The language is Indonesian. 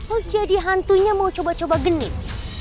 oh jadi hantunya mau coba coba genit